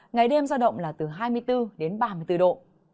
ngày đêm giao động là từ hai mươi bốn đến ba mươi bốn độ